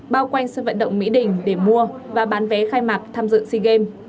bao quanh sân vận động mỹ đình để mua và bán vé khai mạc tham dự sea games